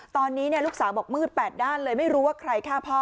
ตอนนี้ลูกสาวบอกมืดแปดด้านเลยไม่รู้ว่าใครฆ่าพ่อ